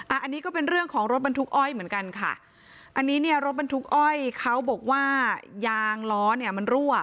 อันนี้ก็เป็นเรื่องของรถบรรทุกอ้อยเหมือนกันค่ะอันนี้เนี่ยรถบรรทุกอ้อยเขาบอกว่ายางล้อเนี่ยมันรั่ว